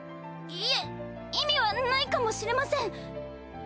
いえ意味はないかもしれません！